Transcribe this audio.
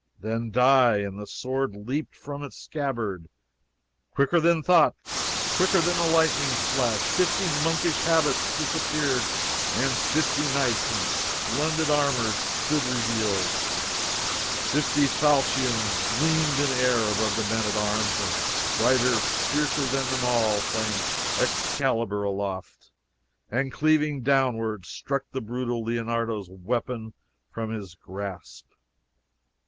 "Then die!" and the sword leaped from its scabbard. Quicker than thought, quicker than the lightning's flash, fifty monkish habits disappeared, and fifty knights in splendid armor stood revealed! fifty falchions gleamed in air above the men at arms, and brighter, fiercer than them all, flamed Excalibur aloft, and cleaving downward struck the brutal Leonardo's weapon from his grasp!